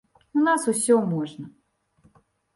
У нас усё можна.